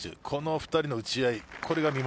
この２人の打ち合い